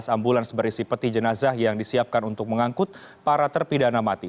enam belas ambulans berisi peti jenazah yang disiapkan untuk mengangkut para terpidana mati